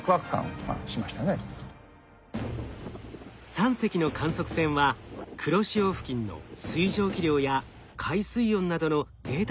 ３隻の観測船は黒潮付近の水蒸気量や海水温などのデータ収集に臨みました。